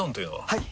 はい！